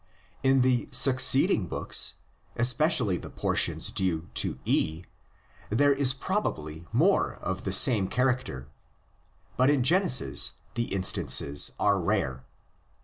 In the succeeding books, especially the portions due to E, there is probably more of the same character, but in Genesis the instances are rare.